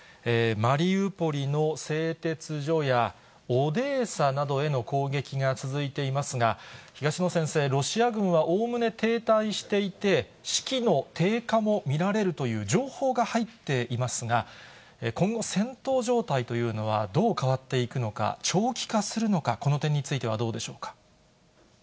マリウポリの製鉄所や、オデーサなどへの攻撃が続いていますが、東野先生、ロシア軍はおおむね停滞していて、士気の低下も見られるという情報が入っていますが、今後、戦闘状態というのはどう変わっていくのか、長期化するのか、この点についてはどうでしょうか。